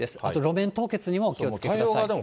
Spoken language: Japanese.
あと路面凍結にもお気をつけください。